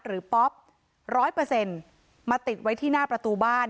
ป๊อป๑๐๐มาติดไว้ที่หน้าประตูบ้าน